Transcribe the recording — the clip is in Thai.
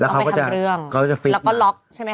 แล้วเขาก็จะต้องไปทำเรื่องเขาก็จะฟิกแล้วก็ล็อกใช่ไหมค่ะ